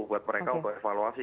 buat mereka untuk evaluasi